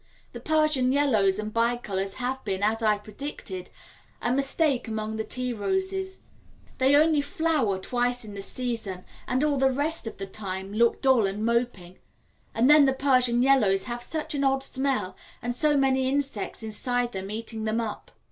The Persian Yellows and Bicolors have been, as I predicted, a mistake among the tea roses; they only flower twice in the season and all the rest of the time look dull and moping; and then the Persian Yellows have such an odd smell and so many insects inside them eating them up.